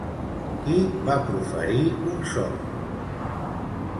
Qui va proferir un so?